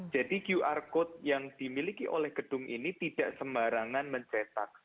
jadi qr code yang dimiliki oleh gedung ini tidak sembarangan mencetak